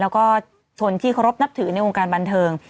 แล้วก็ชนที่เคารพนับถือในวงการบันเทิง